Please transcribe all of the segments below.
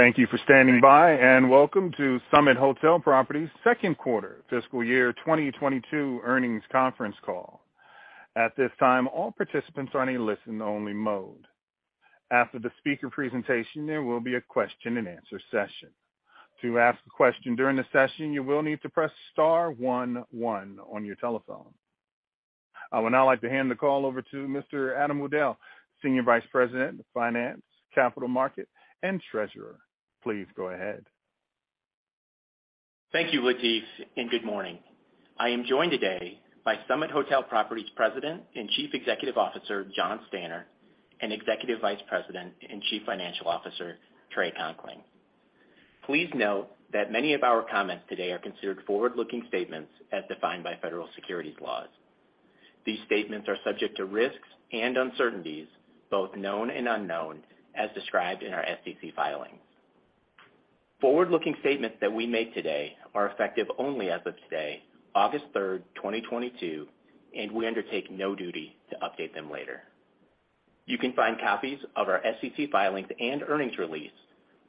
Thank you for standing by, and welcome to Summit Hotel Properties Second Quarter Fiscal Year 2022 Earnings Conference Call. At this time, all participants are in a listen only mode. After the speaker presentation, there will be a question and answer session. To ask a question during the session, you will need to press star one one on your telephone. I would now like to hand the call over to Mr. Adam Wudel, Senior Vice President of Finance, Capital Markets, and Treasurer. Please go ahead. Thank you, Latif, and good morning. I am joined today by Summit Hotel Properties President and Chief Executive Officer, Jonathan Stanner, and Executive Vice President and Chief Financial Officer, Trey Conkling. Please note that many of our comments today are considered forward-looking statements as defined by federal securities laws. These statements are subject to risks and uncertainties, both known and unknown, as described in our SEC filings. Forward-looking statements that we make today are effective only as of today, August third, 2022, and we undertake no duty to update them later. You can find copies of our SEC filings and earnings release,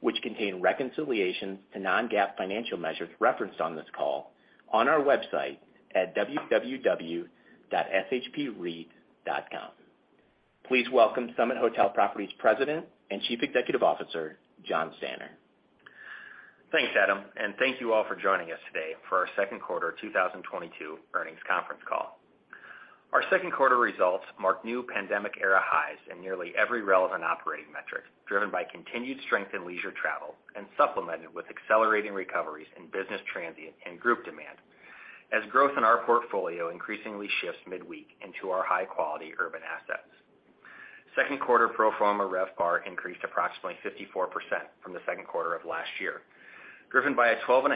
which contain reconciliations to non-GAAP financial measures referenced on this call on our website at www.shpreit.com. Please welcome Summit Hotel Properties President and Chief Executive Officer, Jonathan Stanner. Thanks, Adam, and thank you all for joining us today for our Second Quarter 2022 Earnings Conference Call. Our second quarter results mark new pandemic era highs in nearly every relevant operating metric, driven by continued strength in leisure travel and supplemented with accelerating recoveries in business transient and group demand as growth in our portfolio increasingly shifts midweek into our high quality urban assets. Second quarter pro forma RevPAR increased approximately 54% from the second quarter of last year, driven by a 12.5%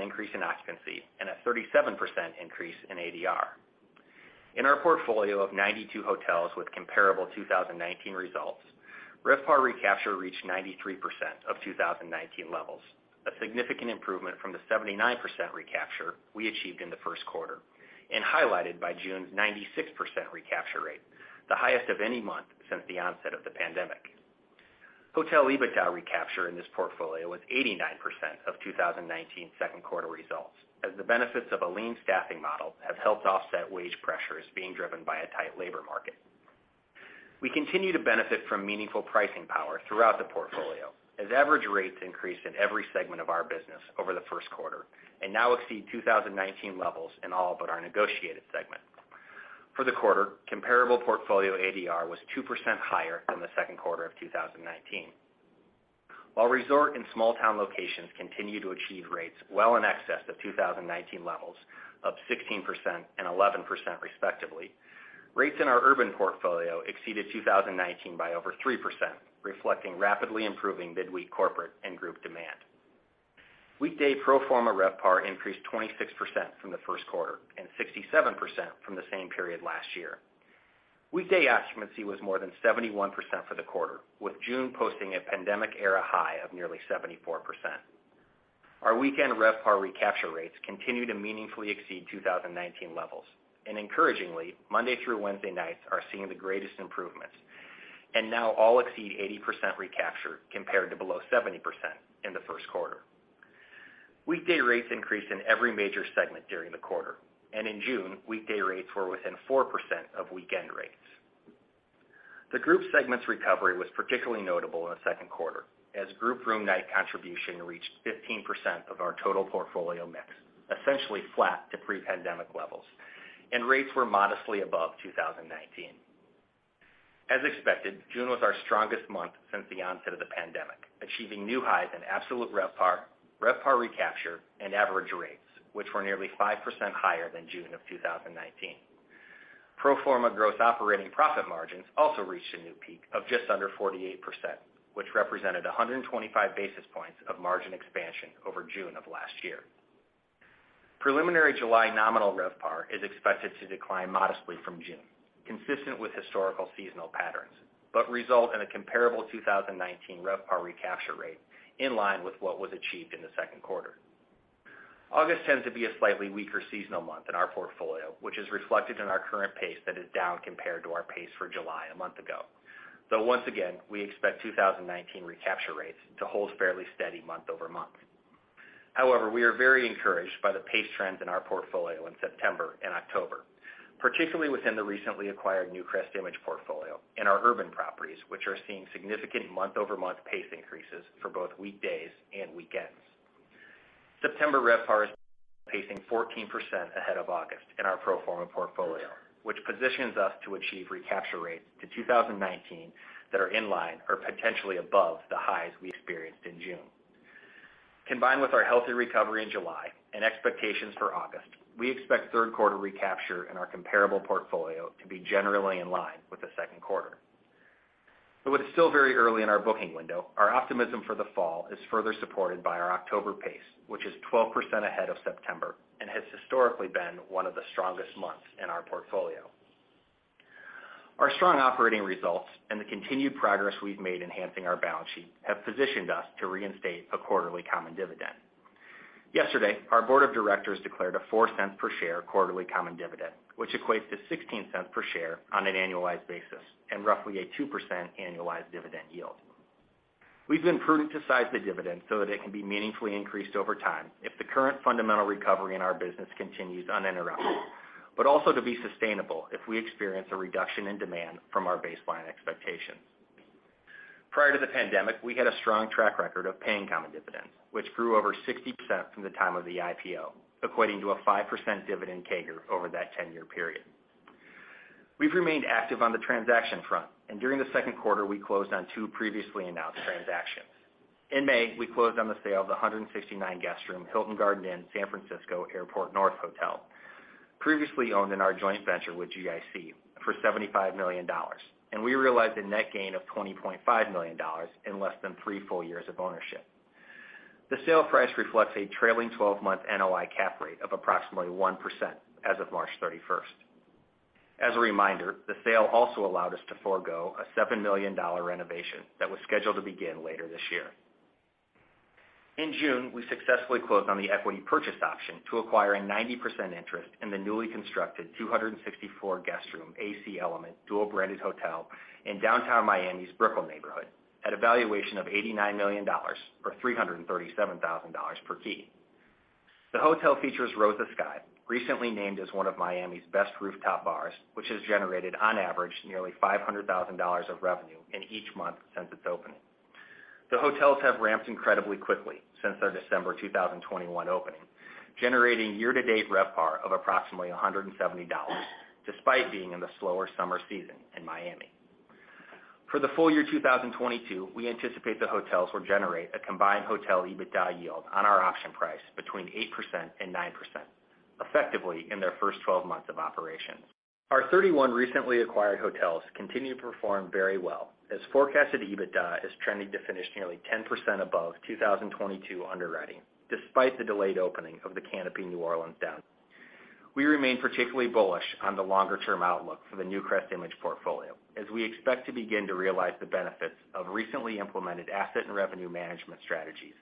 increase in occupancy and a 37% increase in ADR. In our portfolio of 92 hotels with comparable 2019 results, RevPAR recapture reached 93% of 2019 levels, a significant improvement from the 79% recapture we achieved in the first quarter, and highlighted by June's 96% recapture rate, the highest of any month since the onset of the pandemic. Hotel EBITDA recapture in this portfolio was 89% of 2019 second quarter results as the benefits of a lean staffing model have helped offset wage pressures being driven by a tight labor market. We continue to benefit from meaningful pricing power throughout the portfolio as average rates increased in every segment of our business over the first quarter, and now exceed 2019 levels in all but our negotiated segment. For the quarter, comparable portfolio ADR was 2% higher than the second quarter of 2019. While resort and small town locations continue to achieve rates well in excess of 2019 levels of 16% and 11% respectively, rates in our urban portfolio exceeded 2019 by over 3%, reflecting rapidly improving midweek corporate and group demand. Weekday pro forma RevPAR increased 26% from the first quarter and 67% from the same period last year. Weekday occupancy was more than 71% for the quarter, with June posting a pandemic era high of nearly 74%. Our weekend RevPAR recapture rates continue to meaningfully exceed 2019 levels. Encouragingly, Monday through Wednesday nights are seeing the greatest improvements and now all exceed 80% recapture compared to below 70% in the first quarter. Weekday rates increased in every major segment during the quarter, and in June, weekday rates were within 4% of weekend rates. The group segment's recovery was particularly notable in the second quarter as group room night contribution reached 15% of our total portfolio mix, essentially flat to pre-pandemic levels, and rates were modestly above 2019. As expected, June was our strongest month since the onset of the pandemic, achieving new highs in absolute RevPAR recapture, and average rates, which were nearly 5% higher than June of 2019. Pro forma gross operating profit margins also reached a new peak of just under 48%, which represented 125 basis points of margin expansion over June of last year. Preliminary July nominal RevPAR is expected to decline modestly from June, consistent with historical seasonal patterns, but result in a comparable 2019 RevPAR recapture rate in line with what was achieved in the second quarter. August tends to be a slightly weaker seasonal month in our portfolio, which is reflected in our current pace that is down compared to our pace for July a month ago. Though once again, we expect 2019 recapture rates to hold fairly steady month-over-month. However, we are very encouraged by the pace trends in our portfolio in September and October, particularly within the recently acquired NewcrestImage portfolio in our urban properties, which are seeing significant month-over-month pace increases for both weekdays and weekends. September RevPAR is pacing 14% ahead of August in our pro forma portfolio, which positions us to achieve recapture rates to 2019 that are in line or potentially above the highs we experienced in June. Combined with our healthy recovery in July and expectations for August, we expect third quarter recapture in our comparable portfolio to be generally in line with the second quarter. It's still very early in our booking window. Our optimism for the fall is further supported by our October pace, which is 12% ahead of September and has historically been one of the strongest months in our portfolio. Our strong operating results and the continued progress we've made enhancing our balance sheet have positioned us to reinstate a quarterly common dividend. Yesterday, our board of directors declared a $0.04 per share quarterly common dividend, which equates to $0.16 per share on an annualized basis and roughly a 2% annualized dividend yield. We've been prudent to size the dividend so that it can be meaningfully increased over time if the current fundamental recovery in our business continues uninterrupted, but also to be sustainable if we experience a reduction in demand from our baseline expectations. Prior to the pandemic, we had a strong track record of paying common dividends, which grew over 60% from the time of the IPO, equating to a 5% dividend CAGR over that 10-year period. We've remained active on the transaction front, and during the second quarter, we closed on two previously announced transactions. In May, we closed on the sale of the 169 guest room Hilton Garden Inn San Francisco Airport North Hotel, previously owned in our joint venture with GIC for $75 million, and we realized a net gain of $20 million in less than three full years of ownership. The sale price reflects a trailing twelve-month NOI cap rate of approximately 1% as of March 31st. As a reminder, the sale also allowed us to forgo a $7 million renovation that was scheduled to begin later this year. In June, we successfully closed on the equity purchase option to acquire a 90% interest in the newly constructed 264-guestroom AC Hotel & Element dual-branded hotel in downtown Miami's Brickell neighborhood at a valuation of $89 million, or $337,000 per key. The hotel features Rosa Sky, recently named as one of Miami's best rooftop bars, which has generated, on average, nearly $500,000 of revenue in each month since its opening. The hotels have ramped incredibly quickly since their December 2021 opening, generating year-to-date RevPAR of approximately $170, despite being in the slower summer season in Miami. For the full year 2022, we anticipate the hotels will generate a combined hotel EBITDA yield on our option price between 8% and 9%, effectively in their first 12 months of operation. Our 31 recently acquired hotels continue to perform very well as forecasted EBITDA is trending to finish nearly 10% above 2022 underwriting, despite the delayed opening of the Canopy by Hilton New Orleans Downtown. We remain particularly bullish on the longer-term outlook for the NewcrestImage portfolio, as we expect to begin to realize the benefits of recently implemented asset and revenue management strategies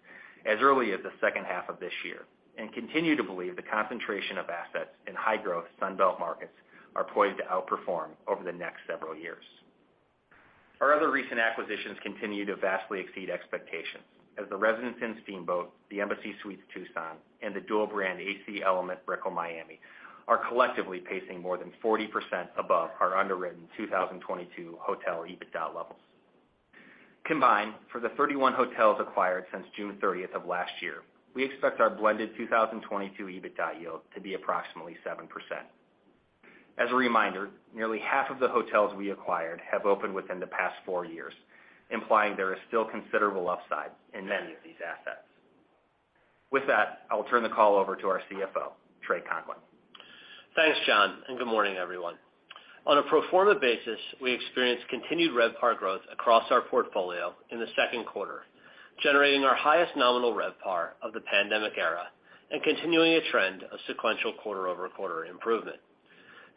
as early as the second half of this year, and continue to believe the concentration of assets in high-growth Sun Belt markets are poised to outperform over the next several years. Our other recent acquisitions continue to vastly exceed expectations as the Residence Inn by Marriott Steamboat Springs, the Embassy Suites by Hilton Tucson Paloma Village, and the dual-brand AC Hotel & Element Brickell Miami are collectively pacing more than 40% above our underwritten 2022 hotel EBITDA levels. Combined, for the 31 hotels acquired since June thirtieth of last year, we expect our blended 2022 EBITDA yield to be approximately 7%. As a reminder, nearly half of the hotels we acquired have opened within the past four years, implying there is still considerable upside in many of these assets. With that, I will turn the call over to our CFO, Trey Conkling. Thanks, Jonathan, and good morning, everyone. On a pro forma basis, we experienced continued RevPAR growth across our portfolio in the second quarter, generating our highest nominal RevPAR of the pandemic era and continuing a trend of sequential quarter-over-quarter improvement.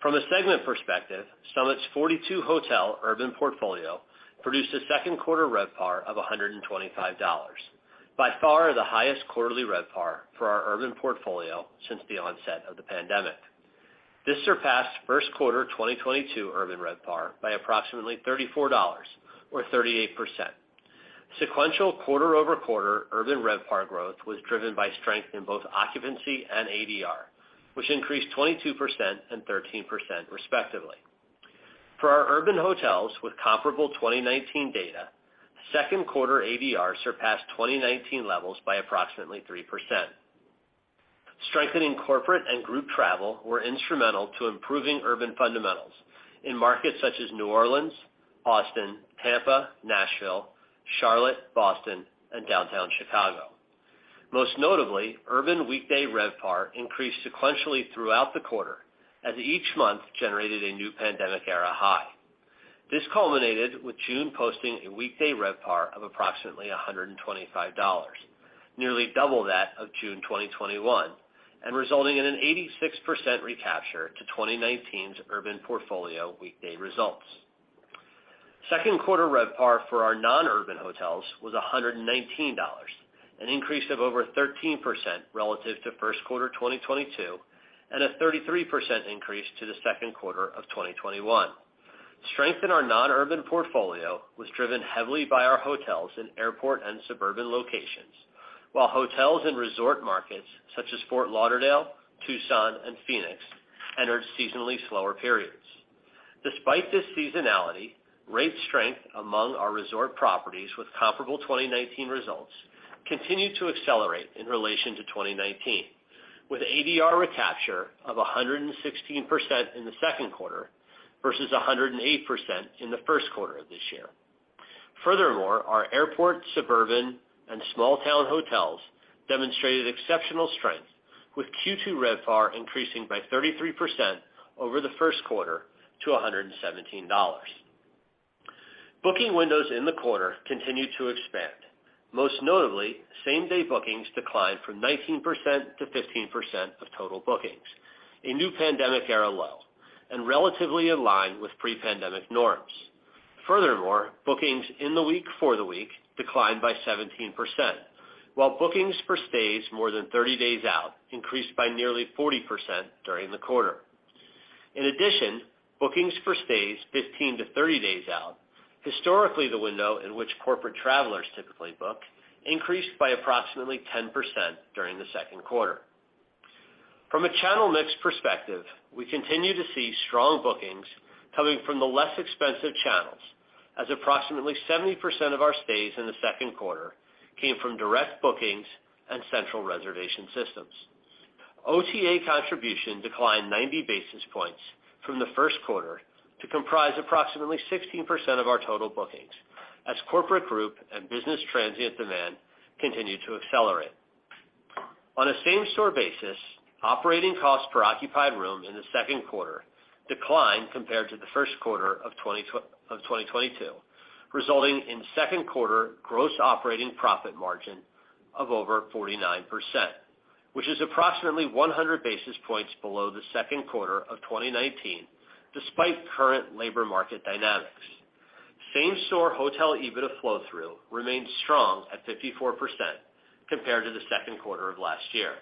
From a segment perspective, Summit's 42 hotel urban portfolio produced a second quarter RevPAR of $125. By far, the highest quarterly RevPAR for our urban portfolio since the onset of the pandemic. This surpassed first quarter 2022 urban RevPAR by approximately $34 or 38%. Sequential quarter-over-quarter urban RevPAR growth was driven by strength in both occupancy and ADR, which increased 22% and 13% respectively. For our urban hotels with comparable 2019 data, second quarter ADR surpassed 2019 levels by approximately 3%. Strengthening corporate and group travel were instrumental to improving urban fundamentals in markets such as New Orleans, Austin, Tampa, Nashville, Charlotte, Boston, and Downtown Chicago. Most notably, urban weekday RevPAR increased sequentially throughout the quarter as each month generated a new pandemic-era high. This culminated with June posting a weekday RevPAR of approximately $125, nearly double that of June 2021, and resulting in an 86% recapture to 2019's urban portfolio weekday results. Second quarter RevPAR for our non-urban hotels was $119, an increase of over 13% relative to first quarter 2022, and a 33% increase to the second quarter of 2021. Strength in our non-urban portfolio was driven heavily by our hotels in airport and suburban locations, while hotels in resort markets such as Fort Lauderdale, Tucson, and Phoenix entered seasonally slower periods. Despite this seasonality, rate strength among our resort properties with comparable 2019 results continued to accelerate in relation to 2019, with ADR recapture of 116% in the second quarter versus 108% in the first quarter of this year. Furthermore, our airport, suburban, and small town hotels demonstrated exceptional strength with Q2 RevPAR increasing by 33% over the first quarter to $117. Booking windows in the quarter continued to expand. Most notably, same-day bookings declined from 19% to 15% of total bookings, a new pandemic era low and relatively aligned with pre-pandemic norms. Furthermore, bookings in the week for the week declined by 17%, while bookings for stays more than 30 days out increased by nearly 40% during the quarter. In addition, bookings for stays 15-30 days out, historically the window in which corporate travelers typically book, increased by approximately 10% during the second quarter. From a channel mix perspective, we continue to see strong bookings coming from the less expensive channels, as approximately 70% of our stays in the second quarter came from direct bookings and central reservation systems. OTA contribution declined 90 basis points from the first quarter to comprise approximately 16% of our total bookings as corporate group and business transient demand continued to accelerate. On a same-store basis, operating costs per occupied room in the second quarter declined compared to the first quarter of 2022, resulting in second quarter gross operating profit margin of over 49%, which is approximately 100 basis points below the second quarter of 2019, despite current labor market dynamics. Same-store hotel EBITDA flow-through remained strong at 54% compared to the second quarter of last year.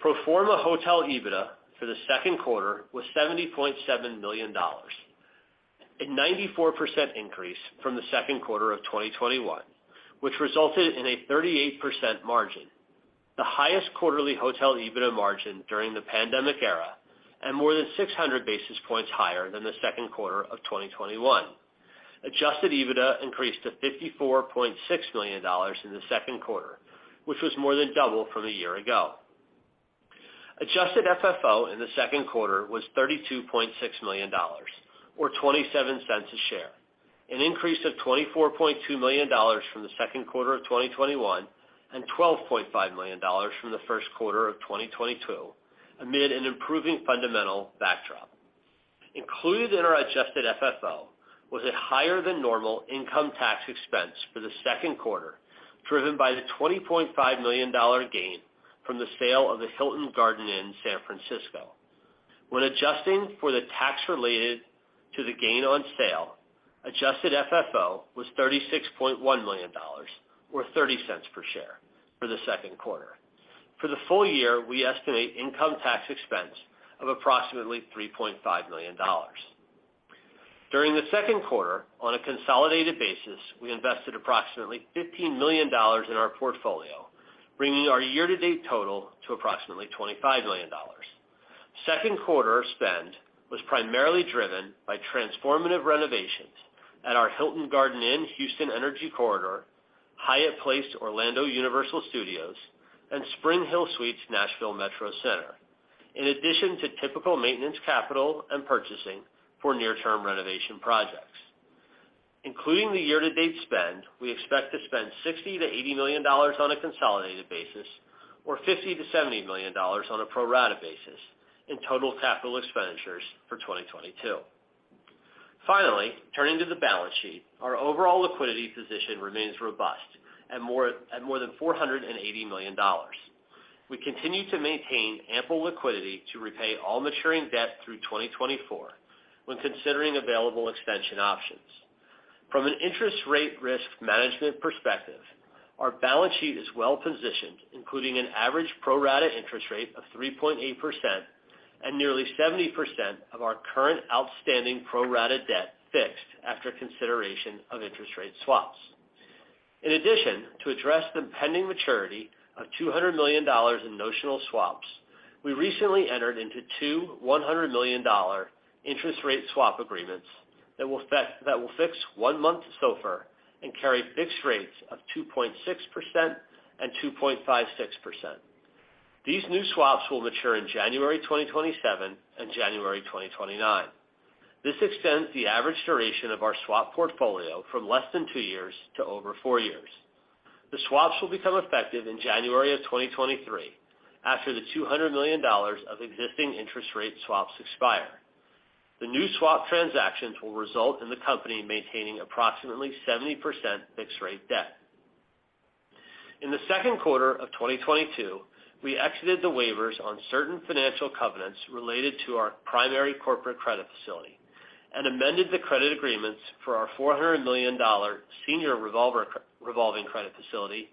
Pro forma hotel EBITDA for the second quarter was $70.7 million, a 94% increase from the second quarter of 2021, which resulted in a 38% margin. The highest quarterly hotel EBITDA margin during the pandemic era, and more than 600 basis points higher than the second quarter of 2021. Adjusted EBITDA increased to $54.6 million in the second quarter, which was more than double from a year ago. Adjusted FFO in the second quarter was $32.6 million, or $0.27 a share, an increase of $24.2 million from the second quarter of 2021, and $12.5 million from the first quarter of 2022, amid an improving fundamental backdrop. Included in our adjusted FFO was a higher than normal income tax expense for the second quarter, driven by the $20.5 million gain from the sale of the Hilton Garden Inn San Francisco. When adjusting for the tax related to the gain on sale, adjusted FFO was $36.1 million or $0.30 per share for the second quarter. For the full year, we estimate income tax expense of approximately $3.5 million. During the second quarter, on a consolidated basis, we invested approximately $15 million in our portfolio, bringing our year-to-date total to approximately $25 million. Second quarter spend was primarily driven by transformative renovations at our Hilton Garden Inn Houston Energy Corridor, Hyatt Place across from Universal Orlando Resort, and SpringHill Suites by Marriott Nashville MetroCenter. In addition to typical maintenance, capital, and purchasing for near-term renovation projects. Including the year-to-date spend, we expect to spend $60 million-$80 million on a consolidated basis or $50 million-$70 million on a pro rata basis in total capital expenditures for 2022. Finally, turning to the balance sheet. Our overall liquidity position remains robust at more than $480 million. We continue to maintain ample liquidity to repay all maturing debt through 2024 when considering available extension options. From an interest rate risk management perspective, our balance sheet is well positioned, including an average pro rata interest rate of 3.8% and nearly 70% of our current outstanding pro rata debt fixed after consideration of interest rate swaps. In addition, to address the pending maturity of $200 million in notional swaps, we recently entered into two $100 million interest rate swap agreements that will fix one-month SOFR and carry fixed rates of 2.6% and 2.56%. These new swaps will mature in January 2027 and January 2029. This extends the average duration of our swap portfolio from less than two years to over four years. The swaps will become effective in January 2023 after the $200 million of existing interest rate swaps expire. The new swap transactions will result in the company maintaining approximately 70% fixed rate debt. In the second quarter of 2022, we exited the waivers on certain financial covenants related to our primary corporate credit facility and amended the credit agreements for our $400 million senior revolving credit facility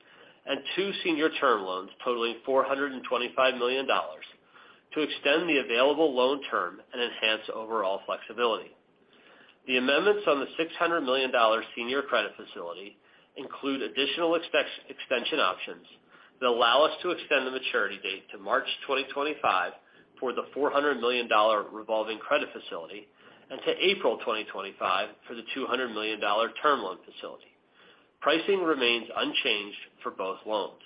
and two senior term loans totaling $425 million to extend the available loan term and enhance overall flexibility. The amendments to the $600 million senior credit facility include additional extension options that allow us to extend the maturity date to March 2025 for the $400 million revolving credit facility and to April 2025 for the $200 million term loan facility. Pricing remains unchanged for both loans.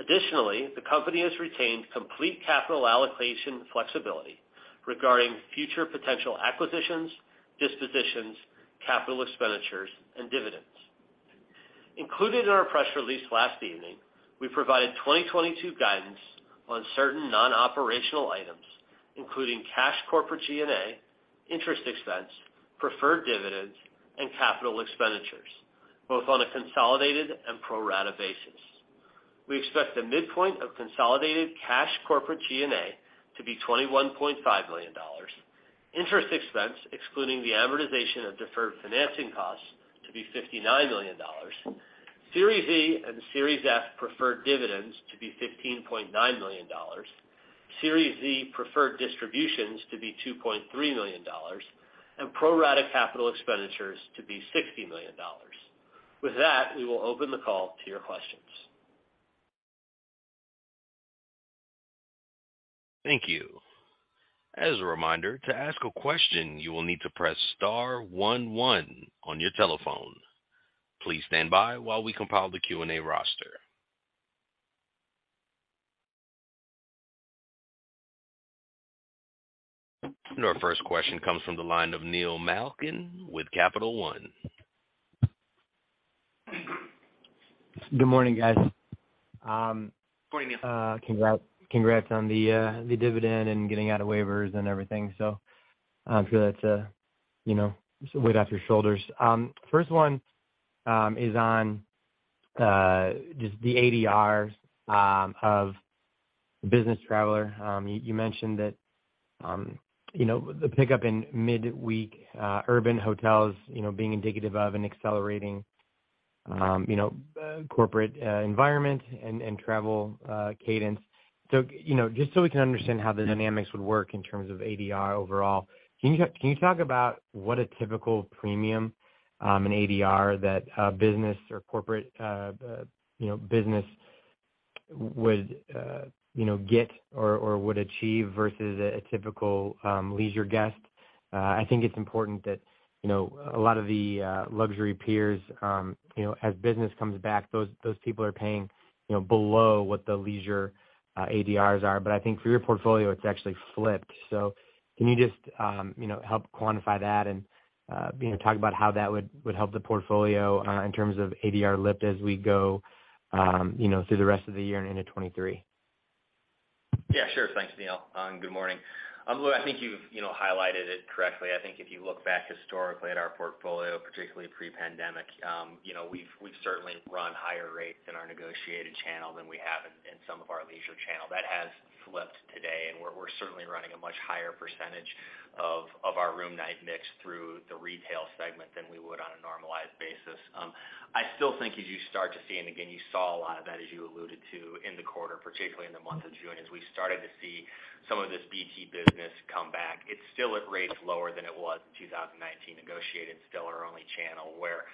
Additionally, the company has retained complete capital allocation flexibility regarding future potential acquisitions, dispositions, capital expenditures, and dividends. Included in our press release last evening, we provided 2022 guidance on certain non-operational items, including cash corporate G&A, interest expense, preferred dividends, and capital expenditures, both on a consolidated and pro rata basis. We expect the midpoint of consolidated cash corporate G&A to be $21.5 million. Interest expense, excluding the amortization of deferred financing costs, to be $59 million. Series Z and Series F preferred dividends to be $15.9 million. Series Z preferred distributions to be $2.3 million, and pro rata capital expenditures to be $60 million. With that, we will open the call to your questions. Thank you. As a reminder to ask a question, you will need to press star one one on your telephone. Please stand by while we compile the Q&A roster. Our first question comes from the line of Neil Malkin with Capital One. Good morning, guys. Morning, Neil. Congrats on the dividend and getting out of waivers and everything. I'm sure that's you know a weight off your shoulders. First one is on just the ADRs of business traveler. You mentioned that you know the pickup in midweek urban hotels you know being indicative of an accelerating you know corporate environment and travel cadence. You know just so we can understand how the dynamics would work in terms of ADR overall, can you talk about what a typical premium in ADR that a business or corporate you know business would you know get or would achieve versus a typical leisure guest? I think it's important that, you know, a lot of the luxury peers, you know, as business comes back, those people are paying, you know, below what the leisure ADRs are. I think for your portfolio, it's actually flipped. Can you just, you know, help quantify that and, you know, talk about how that would help the portfolio in terms of ADR lift as we go, you know, through the rest of the year and into 2023? Yeah, sure. Thanks, Neil, and good morning. Look, I think you've, you know, highlighted it correctly. I think if you look back historically at our portfolio, particularly pre-pandemic, you know, we've certainly run higher rates in our negotiated channel than we have in some of our leisure channel. That has flipped today, and we're certainly running a much higher percentage of our room night mix through the retail segment than we would on a normalized basis. I still think as you start to see, and again, you saw a lot of that as you alluded to in the quarter, particularly in the month of June, as we started to see some of this BT business come back. It's still at rates lower than it was in 2019. Negotiated is still our only channel where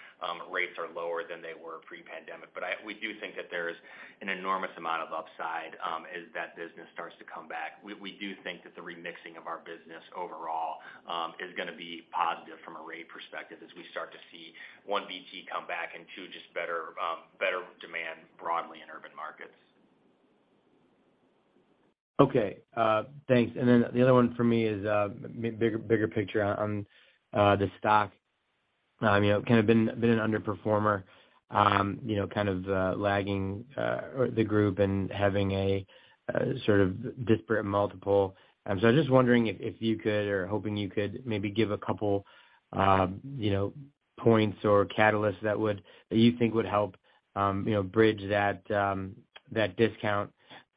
rates are lower than they were pre-pandemic. We do think that there's an enormous amount of upside as that business starts to come back. We do think that the remixing of our business overall is gonna be positive from a rate perspective as we start to see, one, BT come back, and two, just better demand broadly in urban markets. Okay. Thanks. Then the other one for me is bigger picture on the stock. You know, kind of been an underperformer, you know, kind of lagging the group and having a sort of disparate multiple. So I'm just wondering if you could, or hoping you could maybe give a couple, you know, points or catalysts that you think would help, you know, bridge that discount,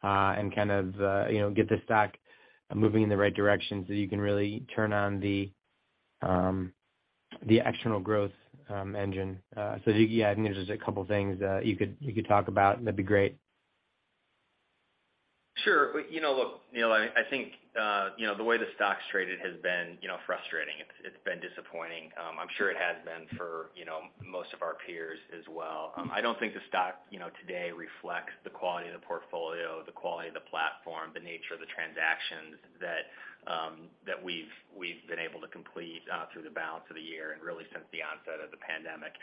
and kind of, you know, get the stock moving in the right direction so you can really turn on the external growth engine. I mean, if there's a couple of things that you could talk about, that'd be great. Sure. You know, look, Neil, I think you know, the way the stock's traded has been you know, frustrating. It's been disappointing. I'm sure it has been for you know, most of our peers as well. I don't think the stock you know, today reflects the quality of the portfolio, the quality of the platform, the nature of the transactions that we've been able to complete through the balance of the year and really since the onset of the pandemic.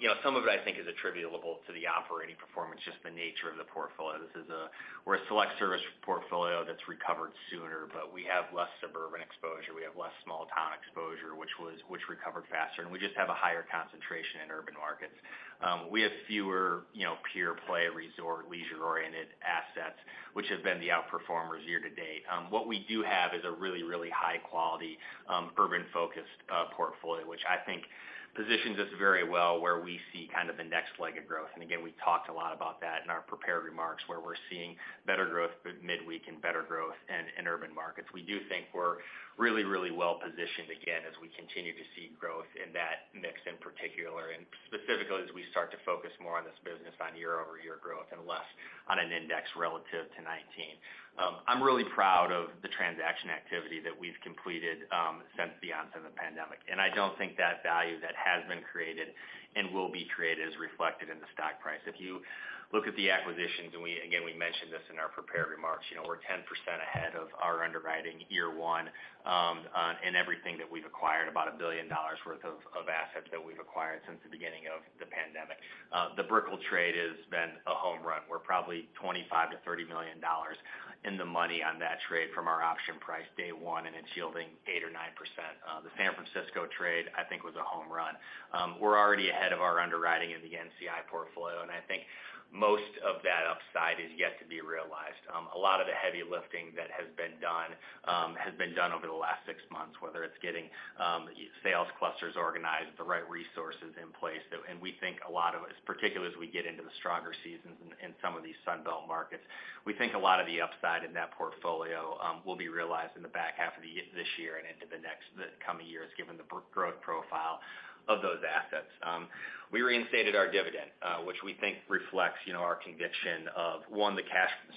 You know, some of it, I think, is attributable to the operating performance, just the nature of the portfolio. This is a select service portfolio that's recovered sooner, but we have less suburban exposure, we have less small town exposure, which recovered faster, and we just have a higher concentration in urban markets. We have fewer, you know, pure play resort, leisure-oriented assets, which have been the outperformers year to date. What we do have is a really, really high quality, urban-focused, portfolio, which I think positions us very well where we see kind of the next leg of growth. Again, we talked a lot about that in our prepared remarks, where we're seeing better growth midweek and better growth in urban markets. We do think we're really, really well positioned again as we continue to see growth in that mix in particular, and specifically as we start to focus more on this business on year-over-year growth and less on an index relative to 2019. I'm really proud of the transaction activity that we've completed since the onset of the pandemic, and I don't think that value that has been created and will be created is reflected in the stock price. If you look at the acquisitions, again, we mentioned this in our prepared remarks, you know, we're 10% ahead of our underwriting year one in everything that we've acquired, about $1 billion worth of assets that we've acquired since the beginning of the pandemic. The Brickell trade has been a home run. We're probably $25 million-$30 million in the money on that trade from our option price day one, and it's yielding 8% or 9%. The San Francisco trade, I think, was a home run. We're already ahead of our underwriting in the NewcrestImage portfolio, and I think most of that upside is yet to be realized. A lot of the heavy lifting that has been done has been done over the last six months, whether it's getting sales clusters organized, the right resources in place. We think a lot of it, particularly as we get into the stronger seasons in some of these Sun Belt markets, we think a lot of the upside in that portfolio will be realized in the back half of this year and into the coming years, given the growth profile of those assets. We reinstated our dividend, which we think reflects, you know, our conviction, one, the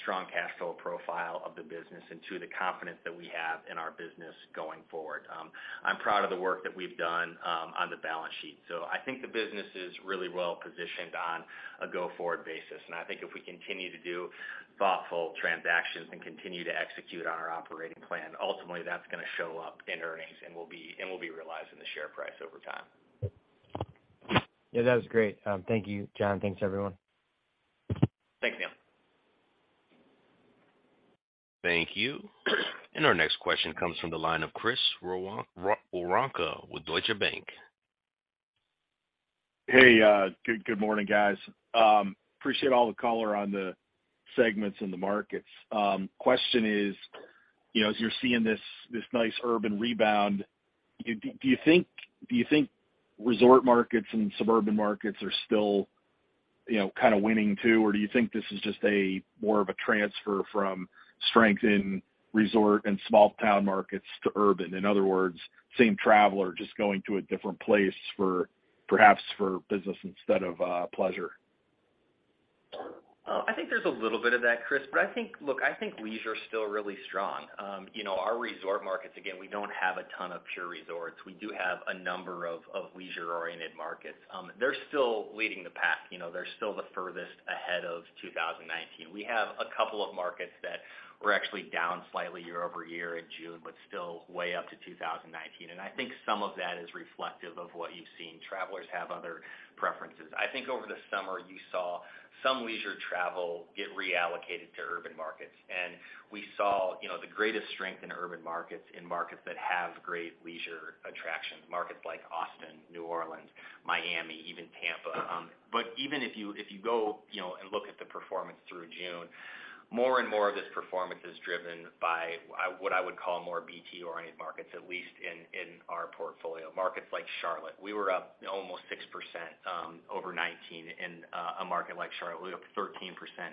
strong cash flow profile of the business, and two, the confidence that we have in our business going forward. I'm proud of the work that we've done on the balance sheet. I think the business is really well-positioned on a go-forward basis. I think if we continue to do thoughtful transactions and continue to execute on our operating plan, ultimately, that's gonna show up in earnings, and will be realized in the share price over time. Yeah, that was great. Thank you, Jonathan. Thanks, everyone. Thanks, Neil. Thank you. Our next question comes from the line of Chris Woronka with Deutsche Bank. Hey, good morning, guys. Appreciate all the color on the segments in the markets. Question is, you know, as you're seeing this nice urban rebound, do you think resort markets and suburban markets are still, you know, kind of winning, too? Or do you think this is just more of a transfer from strength in resort and small-town markets to urban? In other words, same traveler just going to a different place for, perhaps for business instead of pleasure. I think there's a little bit of that, Chris. I think leisure is still really strong. You know, our resort markets, again, we don't have a ton of pure resorts. We do have a number of leisure-oriented markets. They're still leading the pack, you know. They're still the furthest ahead of 2019. We have a couple of markets that were actually down slightly year-over-year in June, but still way up to 2019. I think some of that is reflective of what you've seen. Travelers have other preferences. I think over the summer, you saw some leisure travel get reallocated to urban markets. We saw, you know, the greatest strength in urban markets in markets that have great leisure attractions, markets like Austin, New Orleans, Miami, even Tampa. Even if you go, you know, and look at the performance through June, more and more of this performance is driven by what I would call more BT-oriented markets, at least in our portfolio. Markets like Charlotte. We were up almost 6% over 2019 in a market like Charlotte. We were up 13%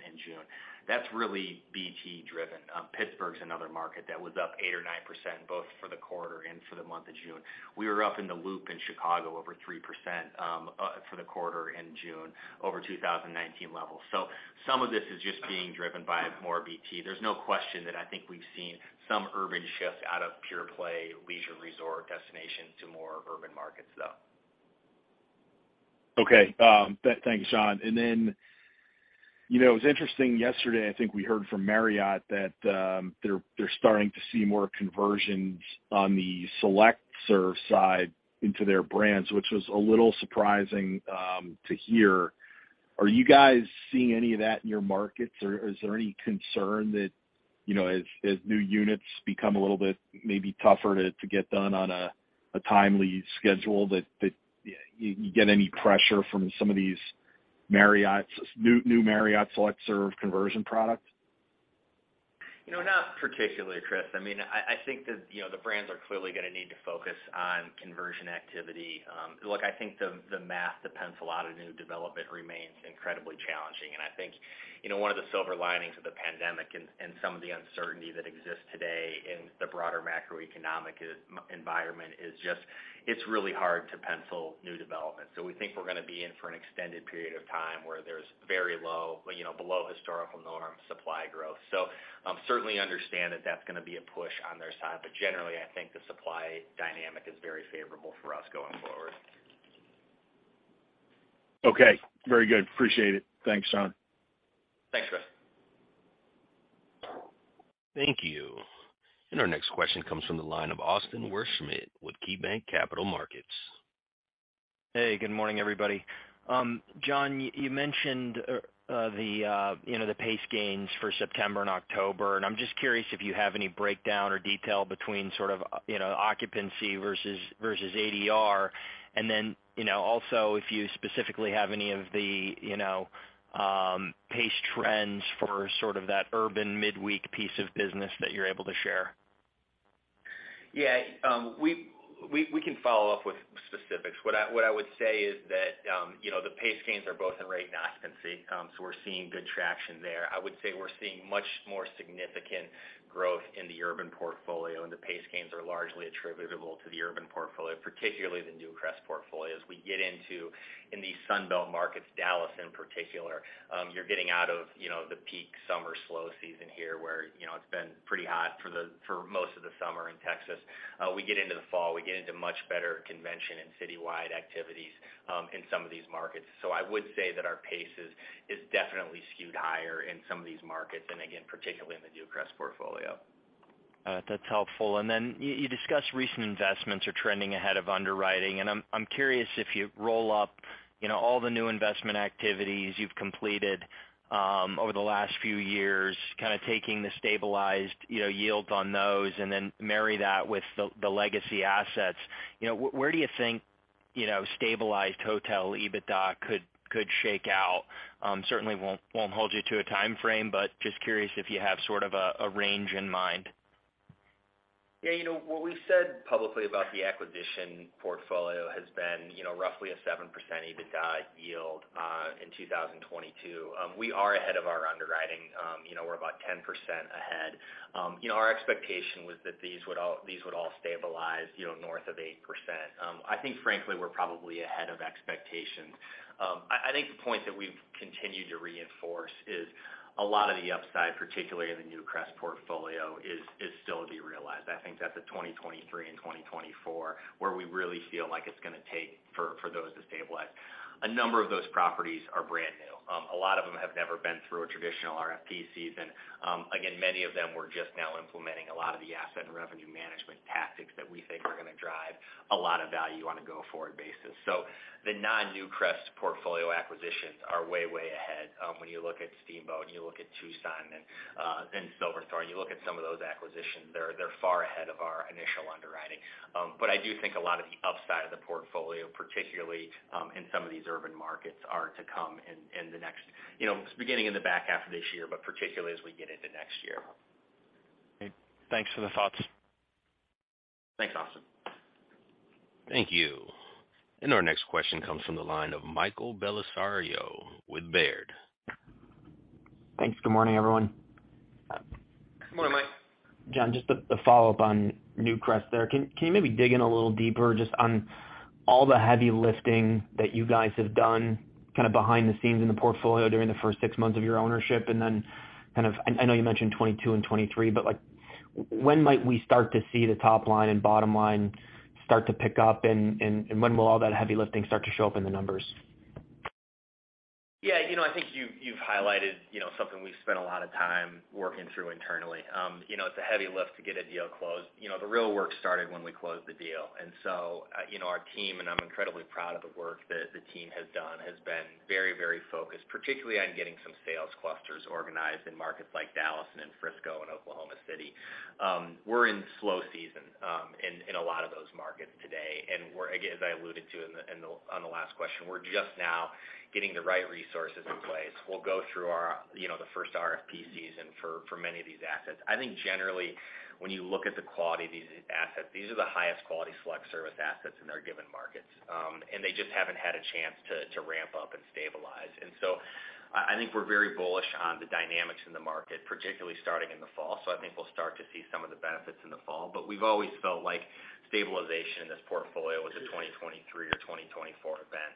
in June. That's really BT-driven. Pittsburgh's another market that was up 8% or 9%, both for the quarter and for the month of June. We were up in the Loop in Chicago over 3% for the quarter in June over 2019 levels. Some of this is just being driven by more BT. There's no question that I think we've seen some urban shift out of pure play leisure resort destinations to more urban markets, though. Thanks, John. Then, you know, it was interesting yesterday. I think we heard from Marriott that they're starting to see more conversions on the select-service side into their brands, which was a little surprising to hear. Are you guys seeing any of that in your markets? Or is there any concern that, you know, as new units become a little bit maybe tougher to get done on a timely schedule that you get any pressure from some of these Marriott's new Marriott select-service conversion products? You know, not particularly, Chris. I mean, I think that, you know, the brands are clearly gonna need to focus on conversion activity. Look, I think the math to pencil out a new development remains incredibly challenging. I think, you know, one of the silver linings of the pandemic and some of the uncertainty that exists today in the broader macroeconomic environment is just, it's really hard to pencil new developments. We think we're gonna be in for an extended period of time where there's very low, you know, below historical norm supply growth. Certainly understand that that's gonna be a push on their side. But generally, I think the supply dynamic is very favorable for us going forward. Okay, very good. Appreciate it. Thanks, Jonathan. Thanks, Chris. Thank you. Our next question comes from the line of Austin Wurschmidt with KeyBanc Capital Markets. Hey, good morning, everybody. Jonathan, you mentioned, you know, the pace gains for September and October, and I'm just curious if you have any breakdown or detail between sort of, you know, occupancy versus ADR. Then, you know, also if you specifically have any of the, you know, pace trends for sort of that urban midweek piece of business that you're able to share. Yeah. We can follow up with specifics. What I would say is that, you know, the pace gains are both in rate and occupancy. We're seeing good traction there. I would say we're seeing much more significant growth in the urban portfolio, and the pace gains are largely attributable to the urban portfolio, particularly the NewcrestImage portfolio. As we get into these Sun Belt markets, Dallas in particular, you're getting out of, you know, the peak summer slow season here, where, you know, it's been pretty hot for most of the summer in Texas. We get into the fall, we get into much better convention and citywide activities, in some of these markets. I would say that our pace is definitely skewed higher in some of these markets, and again, particularly in the NewcrestImage portfolio. That's helpful. You discussed recent investments are trending ahead of underwriting, and I'm curious if you roll up, you know, all the new investment activities you've completed, over the last few years, kinda taking the stabilized, you know, yields on those and then marry that with the legacy assets. You know, where do you think, you know, stabilized hotel EBITDA could shake out? Certainly won't hold you to a timeframe, but just curious if you have sort of a range in mind. Yeah, you know, what we said publicly about the acquisition portfolio has been, you know, roughly a 7% EBITDA yield in 2022. We are ahead of our underwriting. You know, we're about 10% ahead. You know, our expectation was that these would all stabilize, you know, north of 8%. I think, frankly, we're probably ahead of expectations. I think the point that we've continued to reinforce is a lot of the upside, particularly in the NewcrestImage portfolio, is still to be realized. I think that's a 2023 and 2024, where we really feel like it's gonna take for those to stabilize. A number of those properties are brand new. A lot of them have never been through a traditional RFP season. Again, many of them we're just now implementing a lot of the asset and revenue management tactics that we think are gonna drive a lot of value on a go-forward basis. The non-NewcrestImage portfolio acquisitions are way ahead when you look at Steamboat, and you look at Tucson and Silverthorne. You look at some of those acquisitions, they're far ahead of our initial underwriting. But I do think a lot of the upside of the portfolio, particularly in some of these urban markets, are to come in the next, you know, beginning in the back half of this year, but particularly as we get into next year. Okay, thanks for the thoughts. Thanks, Austin. Thank you. Our next question comes from the line of Michael Bellisario with Baird. Thanks. Good morning, everyone. Good morning, Mike. Jonathan Stanner, just a follow-up on NewcrestImage there. Can you maybe dig in a little deeper just on all the heavy lifting that you guys have done kind of behind the scenes in the portfolio during the first six months of your ownership? Then kind of I know you mentioned 2022 and 2023, but like, when might we start to see the top line and bottom line start to pick up, and when will all that heavy lifting start to show up in the numbers? Yeah. You know, I think you've highlighted, you know, something we've spent a lot of time working through internally. You know, it's a heavy lift to get a deal closed. You know, the real work started when we closed the deal. Our team, and I'm incredibly proud of the work that the team has done, has been very, very focused, particularly on getting some sales clusters organized in markets like Dallas and Frisco and Oklahoma City. We're in slow season in a lot of those markets today. We're, again, as I alluded to on the last question, just now getting the right resources in place. We'll go through our, you know, the first RFP season for many of these assets. I think generally, when you look at the quality of these assets, these are the highest quality select service assets in their given markets. They just haven't had a chance to ramp up and stabilize. I think we're very bullish on the dynamics in the market, particularly starting in the fall. I think we'll start to see some of the benefits in the fall. We've always felt like stabilization in this portfolio was a 2023 or 2024 event.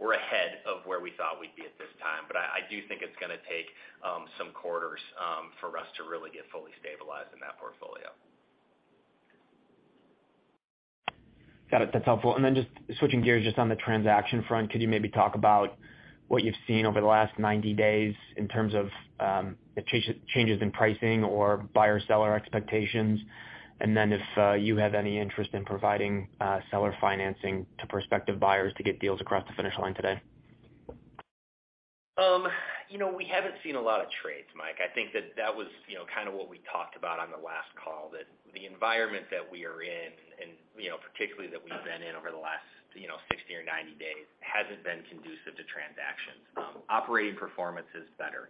We're ahead of where we thought we'd be at this time, but I do think it's gonna take some quarters for us to really get fully stabilized in that portfolio. Got it. That's helpful. Just switching gears just on the transaction front, could you maybe talk about what you've seen over the last 90 days in terms of, changes in pricing or buyer-seller expectations? If you have any interest in providing seller financing to prospective buyers to get deals across the finish line today? You know, we haven't seen a lot of trades, Mike. I think that was, you know, kind of what we talked about on the last call, that the environment that we are in and, you know, particularly that we've been in over the last, you know, 60 or 90 days, hasn't been conducive to transactions. Operating performance is better.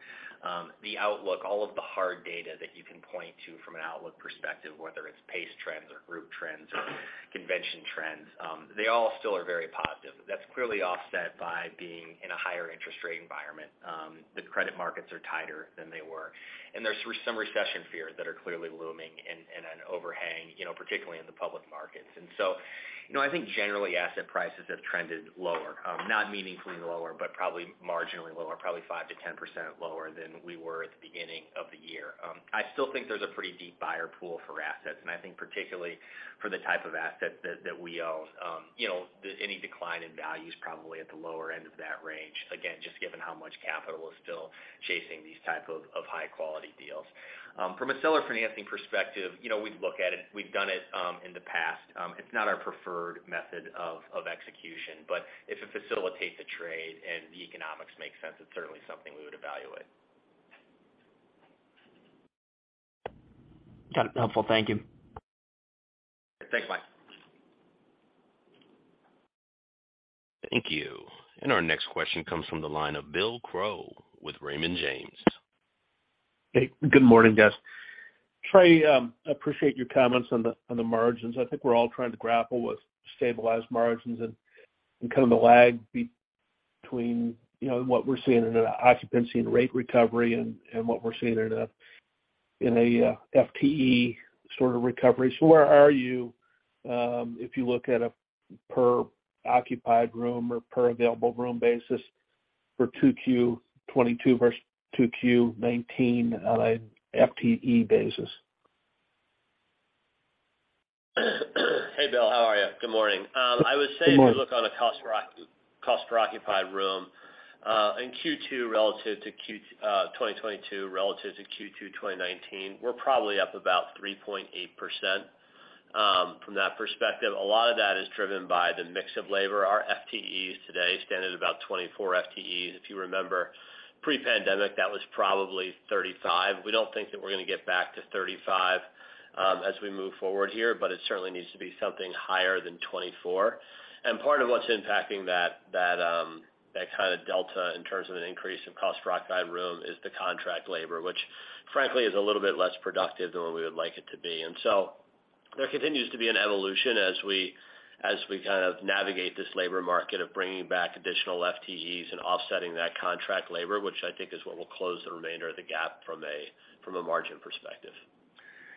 The outlook, all of the hard data that you can point to from an outlook perspective, whether it's pace trends or group trends or convention trends, they all still are very positive. That's clearly offset by being in a higher interest rate environment. The credit markets are tighter than they were. There's some recession fear that are clearly looming and an overhang, you know, particularly in the public markets. You know, I think generally asset prices have trended lower, not meaningfully lower, but probably marginally lower, probably 5%-10% lower than we were at the beginning of the year. I still think there's a pretty deep buyer pool for assets, and I think particularly for the type of assets that we own. You know, any decline in value is probably at the lower end of that range, again, just given how much capital is still chasing these type of high-quality deals. From a seller financing perspective, you know, we'd look at it. We've done it in the past. It's not our preferred method of execution, but if it facilitates a trade and the economics make sense, it's certainly something we would evaluate. Got it. Helpful. Thank you. Thanks, Mike. Thank you. Our next question comes from the line of William Crow with Raymond James. Hey, good morning, guys. Trey, appreciate your comments on the margins. I think we're all trying to grapple with stabilized margins and kind of the lag between, you know, what we're seeing in an occupancy and rate recovery and what we're seeing in a FTE sort of recovery. Where are you if you look at a per occupied room or per available room basis for Q2 2022 versus Q2 2019 on an FTE basis? Hey, Bill, how are you? Good morning. Good morning. I would say if you look on a cost for occupied room in Q2 relative to Q2 2022 relative to Q2 2019, we're probably up about 3.8% from that perspective. A lot of that is driven by the mix of labor. Our FTEs today stand at about 24 FTEs. If you remember pre-pandemic, that was probably 35. We don't think that we're gonna get back to 35 as we move forward here, but it certainly needs to be something higher than 24. Part of what's impacting that kind of delta in terms of an increase in cost for occupied room is the contract labor, which frankly is a little bit less productive than what we would like it to be. There continues to be an evolution as we kind of navigate this labor market of bringing back additional FTEs and offsetting that contract labor, which I think is what will close the remainder of the gap from a margin perspective.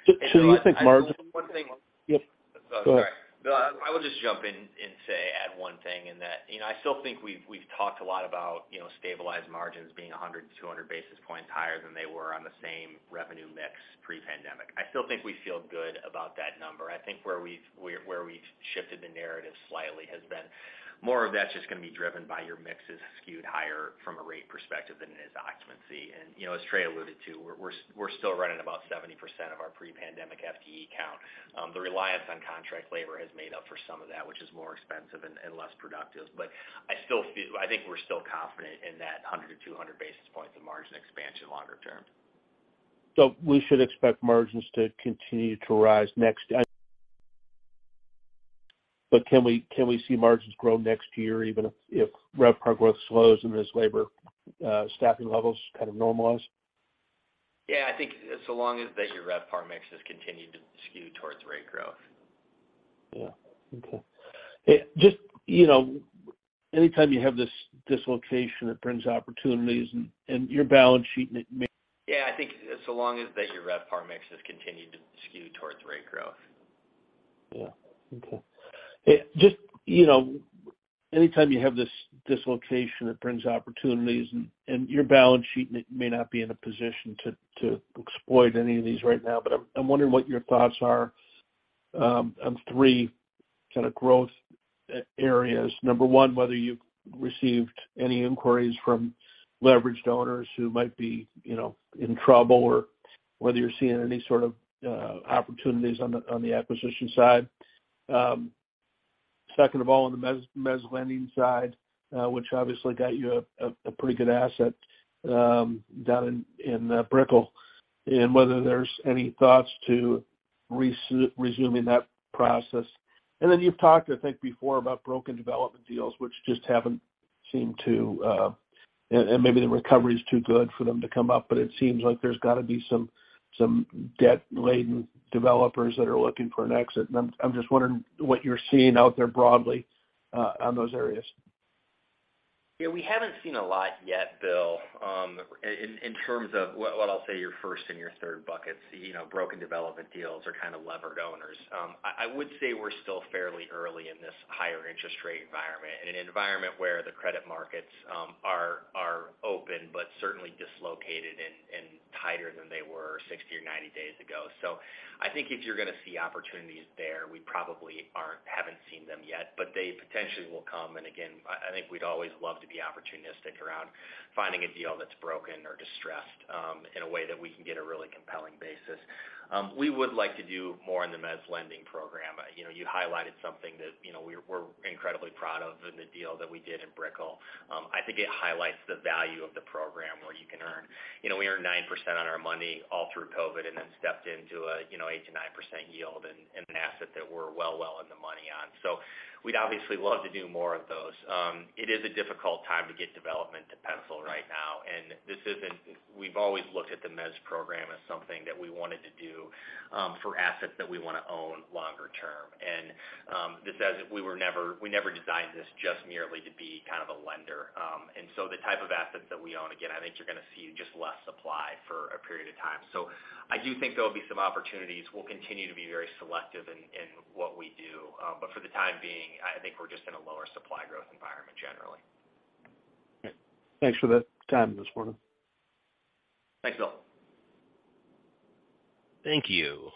You think margins? One thing. Yes, go ahead. No, I will just jump in and say, add one thing in that, you know, I still think we've talked a lot about, you know, stabilized margins being 100-200 basis points higher than they were on the same revenue mix pre-pandemic. I still think we feel good about that number. I think where we've shifted the narrative slightly has been more of that's just gonna be driven by your mix is skewed higher from a rate perspective than it is occupancy. You know, as Trey alluded to, we're still running about 70% of our pre-pandemic FTE count. The reliance on contract labor has made up for some of that, which is more expensive and less productive. But I still feel... I think we're still confident in that 100 or 200 basis points of margin expansion longer term. We should expect margins to continue to rise next. Can we see margins grow next year even if RevPAR growth slows and as labor staffing levels kind of normalize? Yeah, I think so long as your RevPAR mix has continued to skew towards rate growth. Yeah. Okay. Just, you know, anytime you have this dislocation, it brings opportunities and your balance sheet may- Yeah, I think so long as your RevPAR mix has continued to skew towards rate growth. Yeah. Okay. Just, you know, anytime you have this dislocation, it brings opportunities and your balance sheet may not be in a position to exploit any of these right now. I'm wondering what your thoughts are on three kinda growth areas. Number one, whether you've received any inquiries from leveraged owners who might be, you know, in trouble or whether you're seeing any sort of opportunities on the acquisition side. Second of all, on the mezzanine lending side, which obviously got you a pretty good asset down in Brickell. Whether there's any thoughts to resuming that process. You've talked, I think before, about broken development deals, which just haven't seemed to Maybe the recovery is too good for them to come up, but it seems like there's gotta be some debt-laden developers that are looking for an exit. I'm just wondering what you're seeing out there broadly on those areas. Yeah, we haven't seen a lot yet, Bill, in terms of what I'll say your first and your third buckets, you know, broken development deals or kinda levered owners. I would say we're still fairly early in this higher interest rate environment, in an environment where the credit markets are open, but certainly dislocated and tighter than they were 60 or 90 days ago. I think if you're gonna see opportunities there, we probably haven't seen them yet, but they potentially will come. Again, I think we'd always love to be opportunistic around finding a deal that's broken or distressed, in a way that we can get a really compelling basis. We would like to do more in the mezz lending program. You know, you highlighted something that, you know, we're incredibly proud of in the deal that we did in Brickell. I think it highlights the value of the program where you can earn. You know, we earned 9% on our money all through COVID, and then stepped into a, you know, 8%-9% yield in an asset that we're well in the money on. We'd obviously love to do more of those. It is a difficult time to get development to pencil right now, and this isn't. We've always looked at the mezz program as something that we wanted to do for assets that we wanna own longer term. This asset, we never designed this just merely to be kind of a lender. The type of assets that we own, again, I think you're gonna see just less supply for a period of time. I do think there will be some opportunities. We'll continue to be very selective in what we do. For the time being, I think we're just in a lower supply growth environment generally. Thanks for the time this morning. Thanks, Bill. Thank you.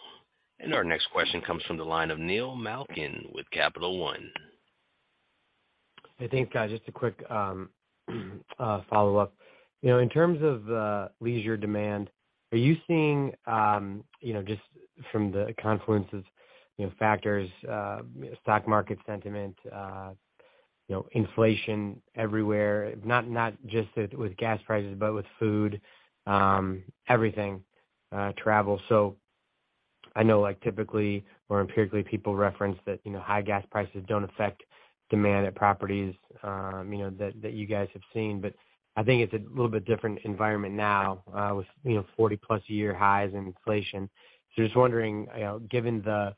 Our next question comes from the line of Neil Malkin with Capital One. Hey, thanks, guys. Just a quick follow-up. You know, in terms of leisure demand, are you seeing you know, just from the confluence of you know, factors stock market sentiment you know, inflation everywhere, not just with gas prices, but with food everything travel. I know like typically or empirically, people reference that you know, high gas prices don't affect demand at properties you know, that you guys have seen. I think it's a little bit different environment now with you know, 40-plus year highs in inflation. Just wondering, you know, given the,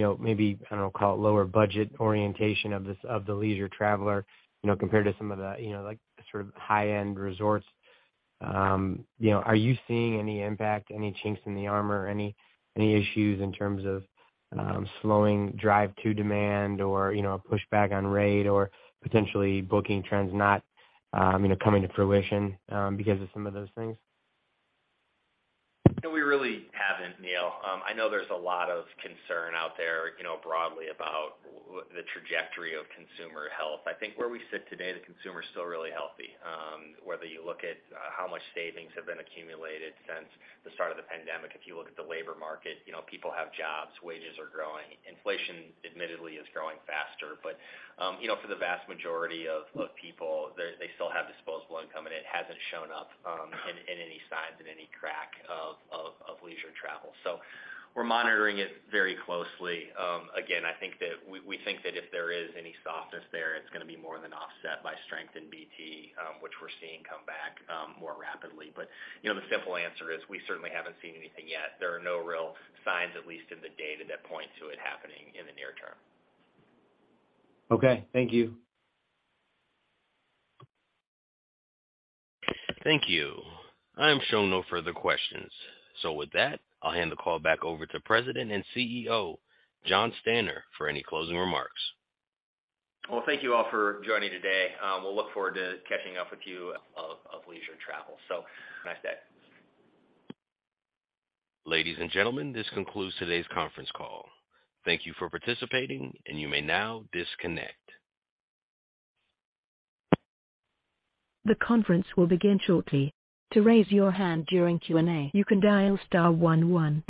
you know, maybe, I don't know, call it lower budget orientation of this, of the leisure traveler, you know, compared to some of the, you know, like sort of high-end resorts, you know, are you seeing any impact, any chinks in the armor, any issues in terms of, slowing drive to demand or, you know, a pushback on rate or potentially booking trends not, you know, coming to fruition, because of some of those things? No, we really haven't, Neal. I know there's a lot of concern out there, you know, broadly about the trajectory of consumer health. I think where we sit today, the consumer is still really healthy. Whether you look at how much savings have been accumulated since the start of the pandemic. If you look at the labor market, you know, people have jobs, wages are growing. Inflation, admittedly, is growing faster. You know, for the vast majority of people, they still have disposable income, and it hasn't shown up in any signs of cracks in leisure travel. We're monitoring it very closely. Again, I think that we think that if there is any softness there, it's gonna be more than offset by strength in BT, which we're seeing come back more rapidly. You know, the simple answer is we certainly haven't seen anything yet. There are no real signs, at least in the data, that point to it happening in the near term. Okay. Thank you. Thank you. I'm showing no further questions. With that, I'll hand the call back over to President and CEO, Jonathan Stanner, for any closing remarks. Well, thank you all for joining today. We'll look forward to catching up with you on leisure travel. Have a nice day. Ladies and gentlemen, this concludes today's conference call. Thank you for participating, and you may now disconnect. The conference will begin shortly. To raise your hand during Q&A, you can dial star one one.